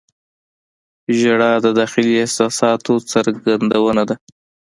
• ژړا د داخلي احساساتو څرګندونه ده.